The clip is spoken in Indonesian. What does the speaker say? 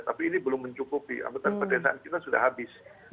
tapi ini belum mencukupi ampetan perdesaan kita sudah habis